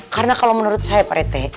karena kalau menurut saya parete